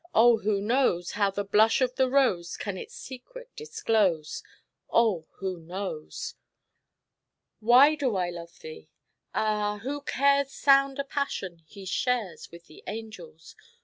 Oh, who knows How the blush of the rose Can its secret disclose? Oh, who knows? Why do I love thee? Ah, who cares Sound a passion he shares With the angels?